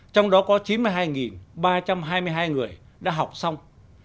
trong đó có chín mươi hai ba trăm hai mươi hai người đã học xong